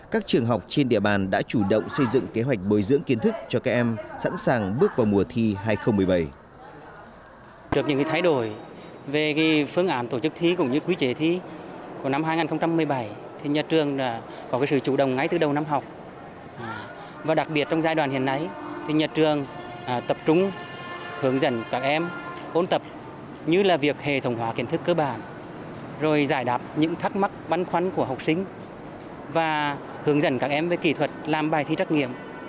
các trường học trên địa bàn đã chủ động xây dựng kế hoạch bồi dưỡng kiến thức cho các em sẵn sàng bước vào mùa thi hai nghìn một mươi bảy